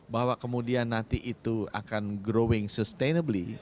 bahwa kemudian nanti itu akan growing sustainabil